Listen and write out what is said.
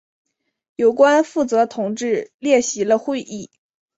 有关负责同志列席了会议。